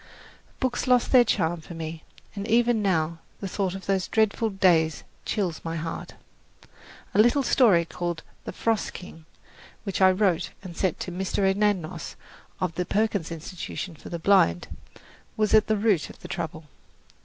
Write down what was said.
Books lost their charm for me, and even now the thought of those dreadful days chills my heart. A little story called "The Frost King," which I wrote and sent to Mr. Anagnos, of the Perkins Institution for the Blind, was at the root of the trouble.